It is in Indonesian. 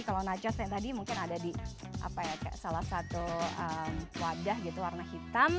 kalau nachos yang tadi mungkin ada di salah satu wadah gitu warna hitam